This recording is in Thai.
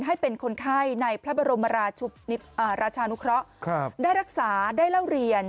ให้เป็นคนไข้ในพระบรมราชานุเคราะห์ได้รักษาได้เล่าเรียน